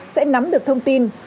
sẽ nắm được thông tin